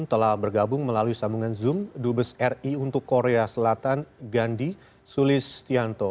telah bergabung melalui sambungan zoom dubes ri untuk korea selatan gandhi sulistianto